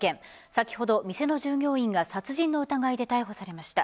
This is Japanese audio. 先ほど店の従業員が殺人の疑いで逮捕されました。